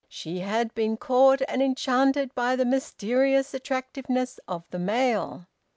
She had been caught and enchanted by the mysterious attractiveness of the male.